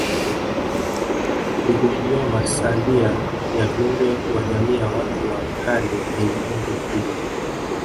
Kuligunduliwa masalia ya viumbe wa jamii ya watu wa kale yenye umri mkubwa